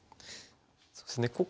そうですね